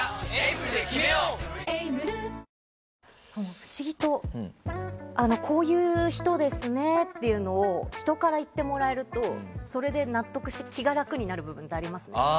不思議と、こういう人ですねと人から言ってもらえるとそれで納得して気が楽になる部分ってありますね。